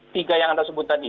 tiga yang anda sebut tadi